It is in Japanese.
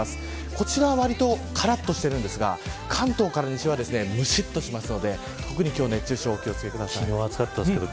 こちらわりとからっとしているんですが関東から西はむしっとするので特に今日は熱中症にお気を付けください。